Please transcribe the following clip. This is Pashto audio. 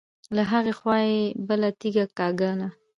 له هغې خوا يې بله تيږه کېکاږله.